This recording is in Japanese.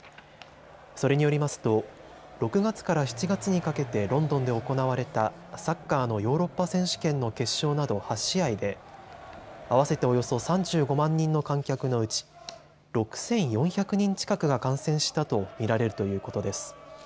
それによりますと６月から７月にかけてロンドンで行われたサッカーのヨーロッパ選手権の決勝など８試合で合わせておよそ３５万人の観客のうち６４００人近くが感染したと見られるということです。